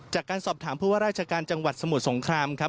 จากการสอบถามผู้ว่าราชการจังหวัดสมุทรสงครามครับ